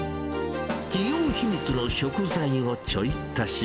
企業秘密の食材をちょい足し。